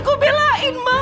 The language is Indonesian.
gua belain bang